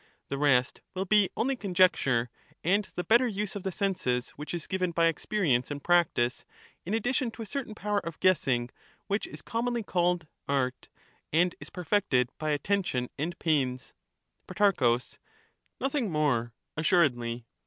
The rest will be only conjecture, and the better use mensu of the senses which is given by experience and practice, in ration, and addition to a certain power of guessing, which is commonly Jhe restis* 56 called art, and is perfected by attention and pains. guesswork Pro. Nothing more, assuredly.